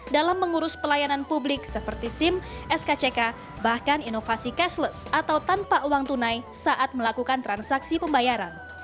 dalam mengurus pelayanan publik seperti sim skck bahkan inovasi cashless atau tanpa uang tunai saat melakukan transaksi pembayaran